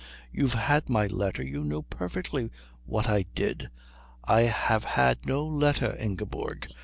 You've had my letter, you know perfectly what I did " "I have had no letter, Ingeborg."